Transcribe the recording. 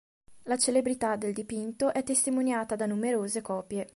La celebrità del dipinto è testimoniata da numerose copie.